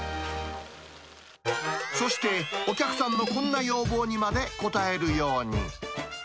そして、お客さんのこんな要望にまで応えるように。